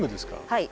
はい。